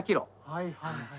はいはいはい。